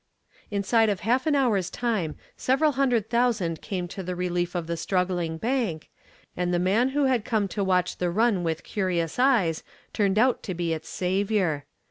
Inside of half an hour's time several hundred thousand came to the relief of the struggling bank, and the man who had come to watch the run with curious eyes turned out to be its savior.